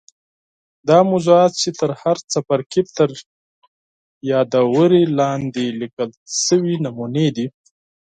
دا موضوعات چې د هر څپرکي تر یادوري لاندي لیکل سوي نمونې دي.